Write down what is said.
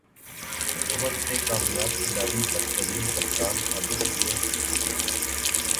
بہت سے کامیاب کھلاڑی بدترین کپتان ثابت ہوئے ہیں۔